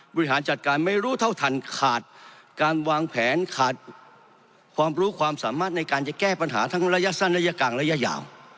บริหารจัดการไม่รู้เท่าทันขาดการวางแผนขาดความรู้ความสามารถในการจะแก้ปัญหาทั้งระยะสั้นระยะกลางระยะยาว